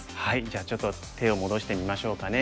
じゃあちょっと手を戻してみましょうかね。